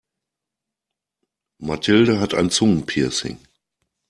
Mathilde hat ein Zungenpiercing.